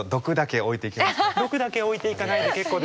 毒だけ置いて行かないで結構ですよ。